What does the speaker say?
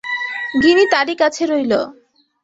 গিনি তারই কাছে রইল।